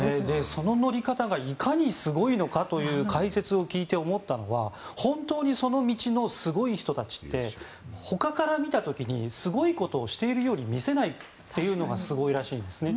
その乗り方がいかにすごいかという解説を聞いて思ったのはその道のすごい人は他から見た時にすごいことをしているように見せないというのがすごいらしいんですね。